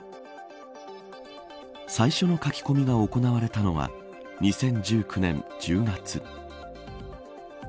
最初の書き込みが行われたのは２０１９年１０月。